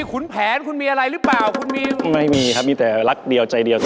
อีกทีก็มีเกี่ยวกับโดยกู้ธรรมดีเกี่ยวกับตัวตน